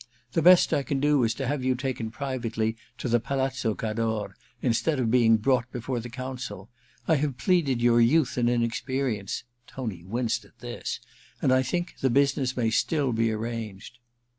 The best I can do is to have you taken privately to the Palazzo Cador, instead of being brought before the Council. I have pleaded your youth and inexperience' — Tony winced at this —' and I think the business may still be arranged.'